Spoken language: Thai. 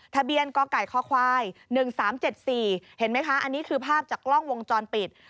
ทะเบียนกไก่คควาย๑๓๗๔เห็นไหมคะอันนี้คือภาพจากกล้องวงจรปิด